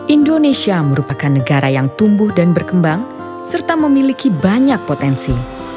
indonesia merupakan negara yang tumbuh dan berkembang serta memiliki banyak potensi